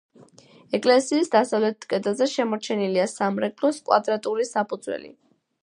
ეკლესიის დასავლეთ კედელზე შემორჩენილია სამრეკლოს კვადრატული საფუძველი.